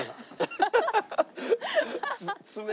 ハハハハ！